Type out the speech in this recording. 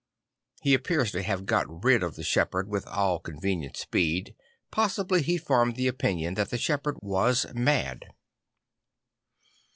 He appears to have got rid of the shepherd with all convenient speed; possibly he formed the opinion that the shepherd was mad.